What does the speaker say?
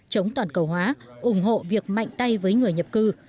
chống toàn cầu hóa ủng hộ việc mạnh tay với người nhập cư